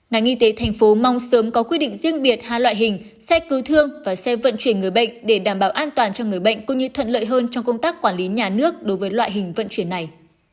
ngành y tế thành phố mong sớm có quy định riêng biệt hai loại hình xe cứu thương và xe vận chuyển người bệnh để đảm bảo an toàn cho người bệnh cũng như thuận lợi hơn trong công tác quản lý nhà nước đối với loại hình vận chuyển này